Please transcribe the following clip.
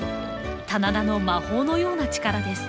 棚田の魔法のような力です。